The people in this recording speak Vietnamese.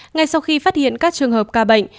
ngay sau khi phát hiện các trường hợp ca bệnh